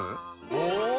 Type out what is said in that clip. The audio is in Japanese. お！